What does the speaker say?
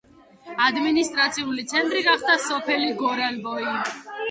ადმინისტრაციული ცენტრი გახდა სოფელი გორანბოი.